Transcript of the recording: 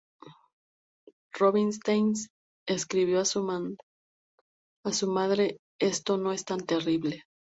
Rubinstein escribió a su madre 'Esto no es tan terrible.